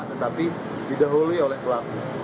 tetapi diderhuli oleh pelaku